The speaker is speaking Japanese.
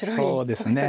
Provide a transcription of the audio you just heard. そうですね